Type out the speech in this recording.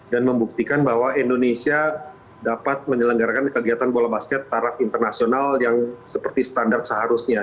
dan membuktikan bahwa indonesia dapat menyelenggarakan kegiatan bola basket taraf internasional yang seperti standar seharusnya